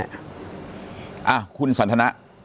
อ่ะคุณสันทนะ